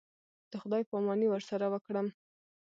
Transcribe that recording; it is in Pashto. د خداى پاماني ورسره وكړم.